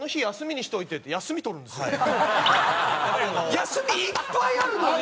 休みいっぱいあるのに。